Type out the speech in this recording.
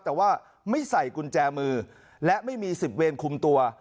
แต่ว่าไม่ใส่กุญแจมือและไม่มี๑๐เวรคุมตัว